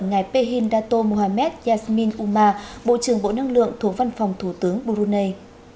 ngài pehin datto mohamed yasmin uma bộ trưởng bộ năng lượng thuộc văn phòng thủ tướng brunei